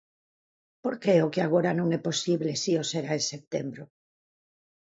Por que o que agora non é posible si o será en setembro?